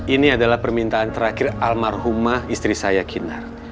ini adalah permintaan terakhir almarhumah istri saya kinar